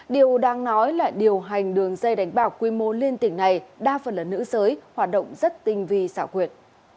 điều đang nói là điều hành đường dây đánh bạc quy mô liên tỉnh này đa phần là nữ giới hoạt động rất tinh vi xảo quyệt